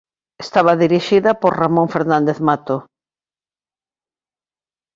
Estaba dirixida por Ramón Fernández Mato.